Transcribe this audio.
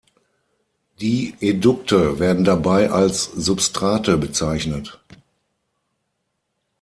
Die Edukte werden dabei als Substrate bezeichnet.